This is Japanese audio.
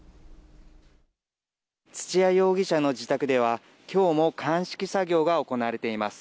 土屋容疑者の自宅では、きょうも鑑識作業が行われています。